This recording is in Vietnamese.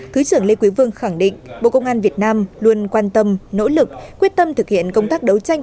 thứ trưởng lê quý vương khẳng định bộ công an việt nam luôn quan tâm nỗ lực quyết tâm thực hiện công tác đấu tranh